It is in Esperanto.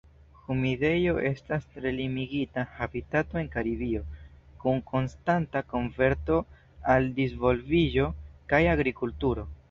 Humidejoj estas tre limigita habitato en Karibio, kun konstanta konverto al disvolviĝo kaj agrikulturo.